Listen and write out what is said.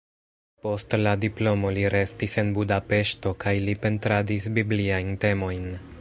Post la diplomo li restis en Budapeŝto kaj li pentradis bibliajn temojn.